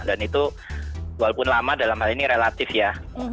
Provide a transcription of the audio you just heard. dan itu walaupun lama dalam hal ini relatif ya